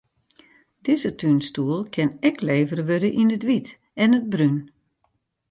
Dizze túnstoel kin ek levere wurde yn it wyt en it brún.